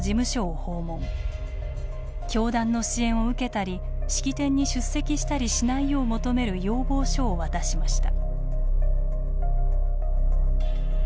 教団の支援を受けたり式典に出席したりしないよう求める要望書を渡しました。